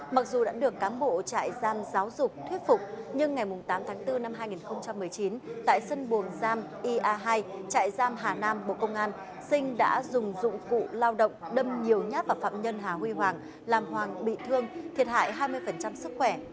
mặc dù đã được cán bộ trại giam giáo dục thuyết phục nhưng ngày tám tháng bốn năm hai nghìn một mươi chín tại sân bồn giam ia hai trại giam hà nam bộ công an sinh đã dùng dụng cụ lao động đâm nhiều nhát vào phạm nhân hà huy hoàng làm hoàng bị thương thiệt hại hai mươi sức khỏe